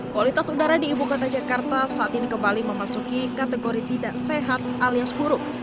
kualitas udara di ibu kota jakarta saat ini kembali memasuki kategori tidak sehat alias buruk